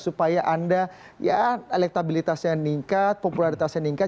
supaya anda ya elektabilitasnya yang meningkat popularitasnya yang meningkat